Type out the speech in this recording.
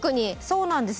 そうなんです。